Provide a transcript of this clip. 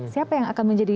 siapa yang akan menjadi